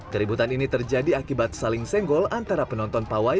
keributan ini terjadi akibat saling senggol antara penonton pawai